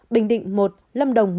bình định một lâm đồng một